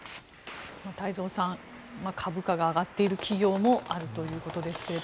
太蔵さん株価が上がっている企業もあるということですが。